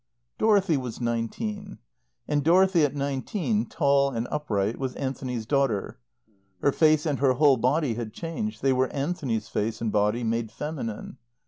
Dorothy was nineteen. And Dorothy at nineteen, tall and upright, was Anthony's daughter. Her face and her whole body had changed; they were Anthony's face and body made feminine.